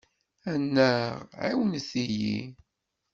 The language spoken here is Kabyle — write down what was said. Annaɣ! ɛiwnet-iyi!